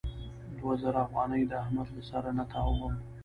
دوه زره افغانۍ د احمد له سره نه تاووم.